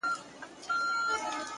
جنگ له فريادي سره.!